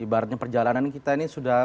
ibaratnya perjalanan kita ini sudah